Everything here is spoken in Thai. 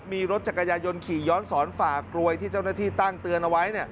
มีรถจักรยายนขี่ย้อนสอนฝ่ากลวยที่เจ้าหน้าที่ตั้งเตือนเอาไว้